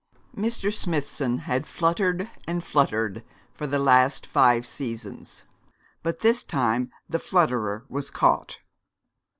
Mr. Smithson had fluttered and fluttered for the last five seasons; but this time the flutterer was caught.